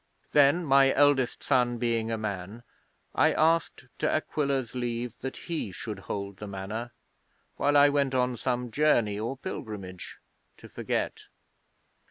Then, my eldest son being a man, I asked De Aquila's leave that he should hold the Manor while I went on some journey or pilgrimage to forget.